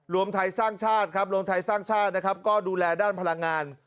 รวมไทยสร้างชาติครับรวมไทยสร้างชาตินะครับก็ดูแลด้านพลังงาน